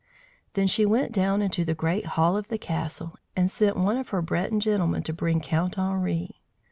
Then she went down into the great hall of the castle, and sent one of her Breton gentlemen to bring Count Henri.